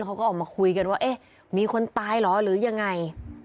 เขาก็ออกมาคุยกันว่าเอ๊ะมีคนตายเหรอหรือยังไง